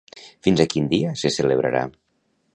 Fins a quin dia se celebrarà?